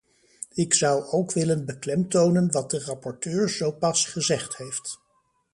Ik zou ook willen beklemtonen wat de rapporteur zopas gezegd heeft.